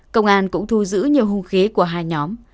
công an cũng thu giữ nhiều hung khí của hai nhóm